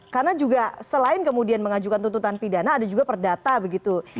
karena juga selain kemudian mengajukan tuntutan pidana ada juga perdata begitu